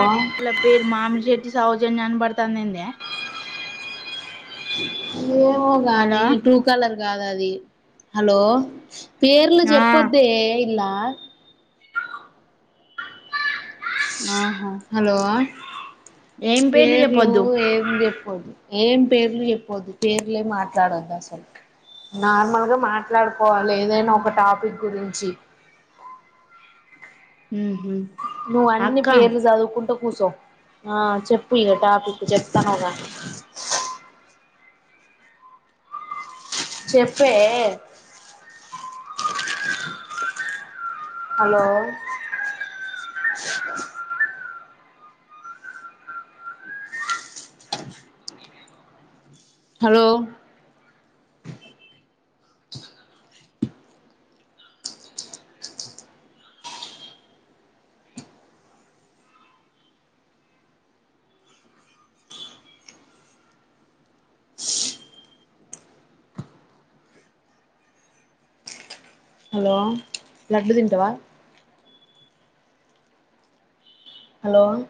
లో ఇట్ల పేరు మామ్ జెట్టి సౌజన్య అని పాడ్ తన్నింద ఏమో గాని హలో ట్రూ కాలర్ గాదది హలో పేర్లు ఆ చెప్పొద్దె ఇలా ఆహా హలో ఏం పేర్లు చెప్పొద్దు ఏం చెప్ ద్దు ఏం పేర్లు చెప్పొద్దు పేర్లేమ్ మాట్లాడద్దసలు నార్మల్గా మాట్లాడుకోవాలి ఏదైనా ఒక టాపిక్ గురించి మ్మ్ హ్మ్ నువ్వు అన్ని అక్క పేర్లు జదువుకుంట పో కుసో ఆ చెప్పుఇగ టాపికు చెప్తానవ్ గ చెప్పే హలో హలో హలో లడ్డు తింటవా హలో